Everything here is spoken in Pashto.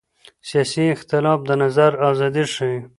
سیاسي اختلاف د نظر ازادي ښيي